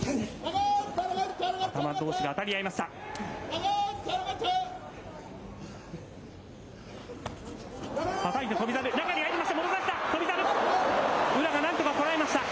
頭どうしが当たり合いました。